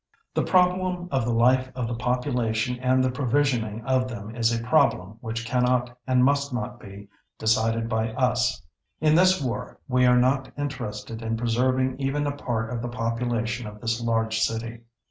. "The problem of the life of the population and the provisioning of them is a problem which cannot and must not be decided by us. "In this war ... we are not interested in preserving even a part of the population of this large city."